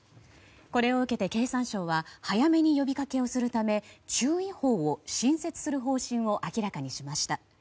これを受けて経産省は早めに呼びかけをするため注意報を新設する方針を明らかにしました。